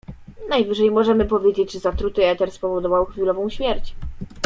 "Najwyżej możemy powiedzieć, że zatruty eter spowodował chwilową śmierć."